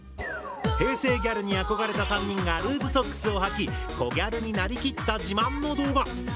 平成ギャルに憧れた３人がルーズソックスをはきコギャルになりきった自慢の動画。